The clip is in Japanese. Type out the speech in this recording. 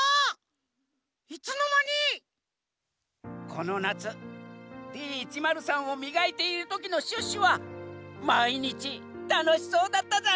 このなつＤ１０３をみがいているときのシュッシュはまいにちたのしそうだったざんす！